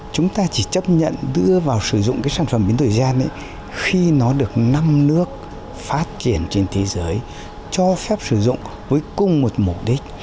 chúng ta chỉ chấp nhận đưa vào sử dụng cái sản phẩm biến thời gian ấy khi nó được năm nước phát triển trên thế giới cho phép sử dụng cuối cùng một mục đích